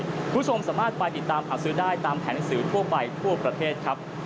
คุณผู้ชมสามารถไปติดตามหาซื้อได้ตามแผนหนังสือทั่วไปทั่วประเทศครับ